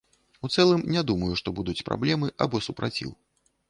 У цэлым не думаю, што будуць праблемы або супраціў.